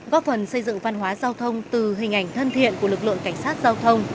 góp phần xây dựng văn hóa giao thông từ hình ảnh thân thiện của lực lượng cảnh sát giao thông